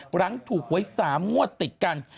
กำลังถูกไว้๓มั่วติดกัน